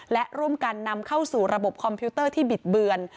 และร่วมกันนำเข้าสู่ระบบคอมพิวเตอร์ที่บิดเบือน